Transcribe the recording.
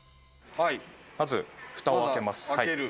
まず蓋を開けます。